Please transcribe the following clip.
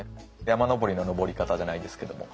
山登りの登り方じゃないんですけども。